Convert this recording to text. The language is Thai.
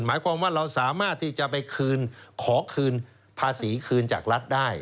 หมายความว่าเราสามารถที่จะไปคืนขอคืนภาษีคืนจากรัฐได้